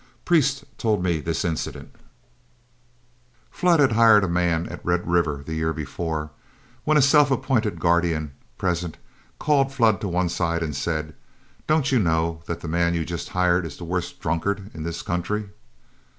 Priest told me this incident: Flood had hired a man at Red River the year before, when a self appointed guardian present called Flood to one side and said, "Don't you know that that man you've just hired is the worst drunkard in this country?"